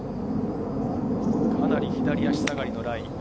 かなり左足下がりのライ。